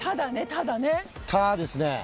「た」ですね。